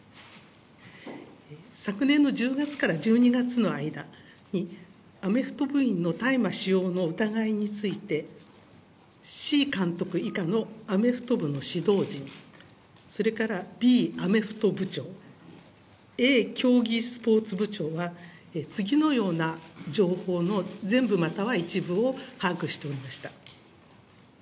昨年の１０月から１２月の間に、アメフト部員の大麻使用の疑いについて、Ｃ監督以下のアメフト部の指導人、それからＢアメフト部長、Ａ競技スポーツ部長が次のような情報の全部、または一部を把握しておりました。